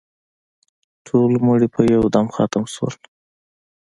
ټول مړي په یو دم ختم شول.